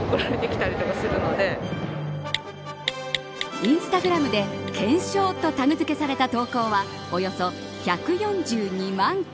インスタグラムで懸賞とタグ付けされた投稿はおよそ１４２万件。